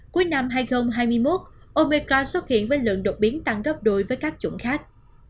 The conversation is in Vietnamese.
cuối năm hai nghìn hai mươi một obecra xuất hiện với lượng đột biến tăng gấp đôi với các chủng khác